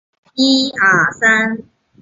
现任董事长为王炯。